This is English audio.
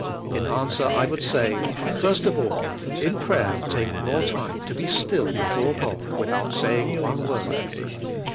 In answer I would say: first of all, in prayer take more time to be still before God without saying one word.